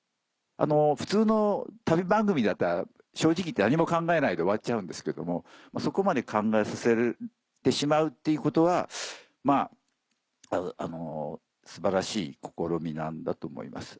普通の旅番組だったら正直何も考えないで終わっちゃうんですけれどもそこまで考えさせてしまうっていうことはまぁ素晴らしい試みなんだと思います。